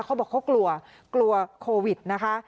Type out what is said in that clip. เขาบอกเขากลัวกลัวโควิดนะคะ